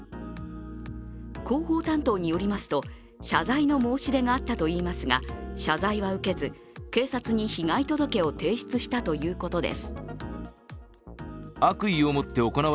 広報担当によりますと、謝罪の申し出があったといいますが、謝罪は受けず、警察に被害届を提出したということです。